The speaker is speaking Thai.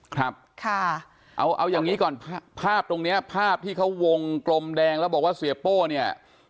ครับค่ะเอาอย่างนี้ก่อนภาพตรงเนี้ยภาพที่เขาวงกลมแดงแล้วบอกว่าเสียโป้เนี่ย